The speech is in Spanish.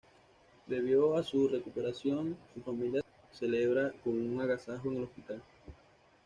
Debido a su recuperación, su familia celebra con un agasajo en el hospital.